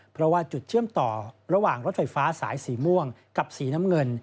เพราะว่าจุดเชื่อมต่อระหว่างรถไฟฟ้าสายสีม่วงกับสีน้ำเงิน